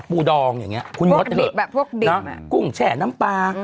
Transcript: ปูดองอย่างเงี้ยคุณงดเถอะแบบพวกดิบอ่ะพวกดิบนะพรุ่งแช่น้ำปลา